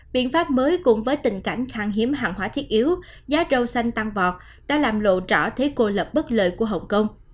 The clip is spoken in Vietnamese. biện pháp mới cùng với tình cảnh khang hiếm hàng hóa thiết yếu giá rau xanh tăng vọt đã làm lộ rõ thế cô lập bất lợi của hồng kông